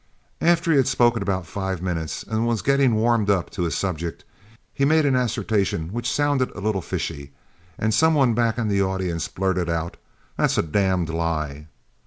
After he had spoken about five minutes and was getting warmed up to his subject, he made an assertion which sounded a little fishy, and some one back in the audience blurted out, 'That's a damned lie.'